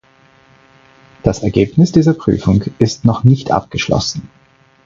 Das Ergebnis dieser Prüfung ist noch nicht abgeschlossen.